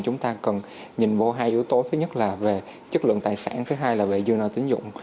chúng ta cần nhìn vô hai yếu tố thứ nhất là về chất lượng tài sản thứ hai là về dư nợ tiến dụng